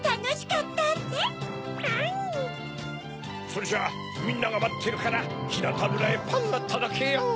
それじゃあみんながまってるからひなたむらへパンをとどけよう！